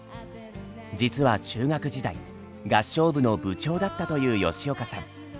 実は中学時代合唱部の部長だったという吉岡さん。